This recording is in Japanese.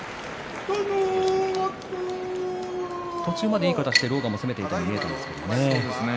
途中までいい形で狼雅も攻めていたように見えたんですがね。